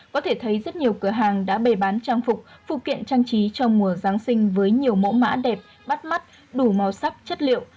có thể thấy rất nhiều cửa hàng đã bày bán trang phục phụ kiện trang trí trong mùa giáng sinh với nhiều mẫu mã đẹp bắt mắt đủ màu sắc chất liệu